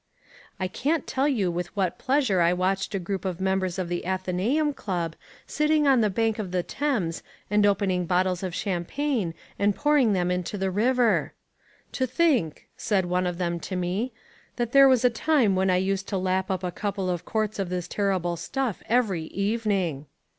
I can't tell you with what pleasure I watched a group of members of the Athenaeum Club sitting on the bank of the Thames and opening bottles of champagne and pouring them into the river. "To think," said one of them to me, "that there was a time when I used to lap up a couple of quarts of this terrible stuff every evening."